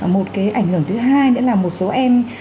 một cái ảnh hưởng thứ hai nữa là một số em